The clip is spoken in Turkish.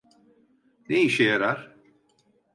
Ne işe yarar?